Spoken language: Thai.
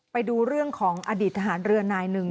ไปดูเรื่องของอดีตทหารเรือนายหนึ่ง